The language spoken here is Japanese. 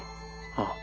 ああ。